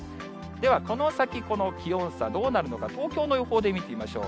では、この先、この気温差、どうなるのか、東京の予報で見てみましょう。